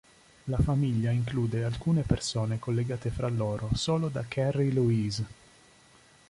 La famiglia include alcune persone collegate fra loro solo da Carrie Louise.